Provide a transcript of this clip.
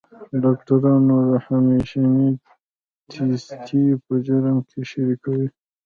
ډاکټرانو د همېشنۍ تېښتې په جرم کې شریکې وې.